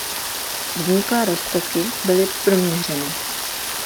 Vzniklé roztoky byly proměřeny.